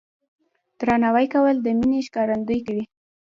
درناوی کول د مینې ښکارندویي کوي.